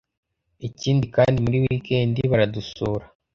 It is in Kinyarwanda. Ikindi kandi muri weekend baradusura